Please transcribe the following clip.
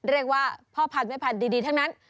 เรียกว่าพ่อพันธุแม่พันธุ์ดีทั้งนั้น